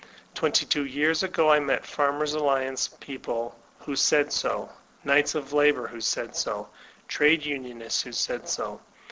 Twenty two years ago I met Farmers* Alliance people who said so, Knights of Labor who said so. Trade Unionists who said so.